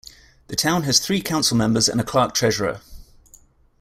The town has three council members and a clerk treasurer.